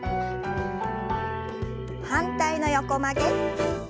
反対の横曲げ。